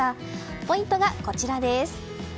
ポイントがこちらです。